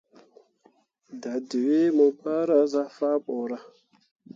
Dadǝwee mu bahra zah faa boro.